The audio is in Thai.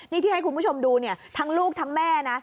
นี่ที่ให้คุณผู้ชมดูเนี่ยทั้งลูกทั้งแม่นะ